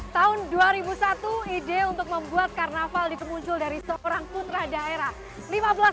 tahun dua ribu satu ide untuk membuat karnaval dikemuncul dari seorang putra daerah